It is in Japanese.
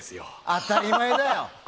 当たり前だよ